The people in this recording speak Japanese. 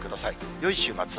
よい週末を。